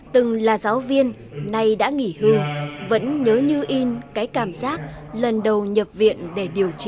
từng là giáo viên nay đã nghỉ hưu vẫn nhớ như in cái cảm giác lần đầu nhập viện để điều trị